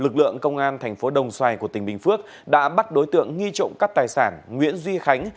công an thành phố đồng xoài của tỉnh bình phước đã bắt đối tượng nghi trộm cắt tài sản nguyễn duy khánh